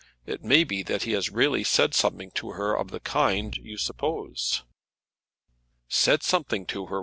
It may be that he has really said something to her of the kind you suppose " "Said something to her!